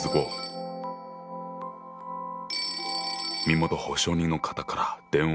☎身元保証人の方から電話だ。